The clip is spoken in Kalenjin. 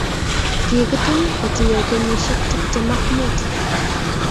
Kikitun kotinye kenyishek tiptem ak mut